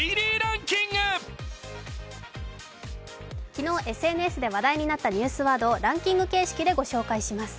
昨日ＳＮＳで話題になったニュースワードをランキング形式でお伝えします。